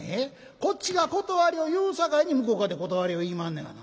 こっちが断りを言うさかいに向こうかて断りを言いまんねやがな。